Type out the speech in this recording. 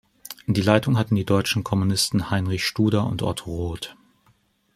Die Leitung hatten die deutschen Kommunisten Heinrich Studer und Otto Roth.